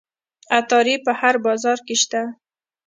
عطاري په هر بازار کې شته.